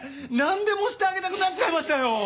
何でもしてあげたくなっちゃいましたよ。